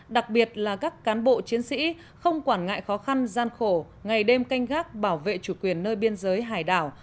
đặc biệt là các cán bộ chiến sĩ không quản ngại khó khăn gian khổ ngày đêm canh gác bảo vệ chủ quyền nơi biên giới hải đảo